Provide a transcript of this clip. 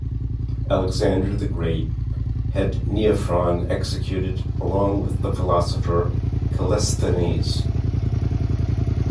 Alexander the Great had Neophron executed along with the philosopher Callisthenes.